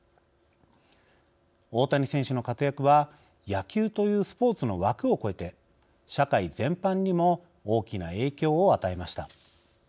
大谷選手の活躍は野球というスポーツの枠を越えて社会全般にも大きな影響を与えました。